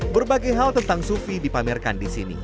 berbagai hal tentang sufi dipamerkan di sini